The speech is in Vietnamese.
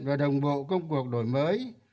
và đồng bộ công cuộc đổi mới